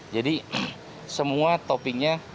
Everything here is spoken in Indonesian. jadi semua topiknya